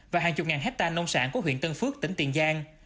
và hàng chục ngàn hectare nông sản của huyện tân phước tỉnh tiền giang